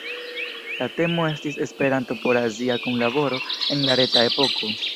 La temo estis "Esperanto por azia kunlaboro en la reta epoko!